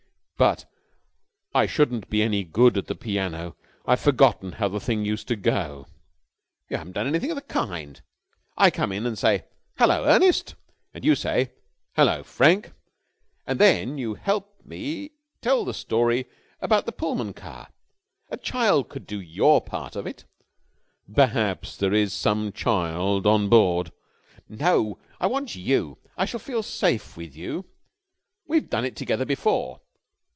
"But I shouldn't be any good at the piano. I've forgotten how the thing used to go." "You haven't done anything of the kind. I come in and say, 'Hullo, Ernest!' and you say 'Hullo, Frank!' and then you help me tell the story about the Pullman car. A child could do your part of it." "Perhaps there is some child on board...." "No! I want you. I shall feel safe with you. We've done it together before."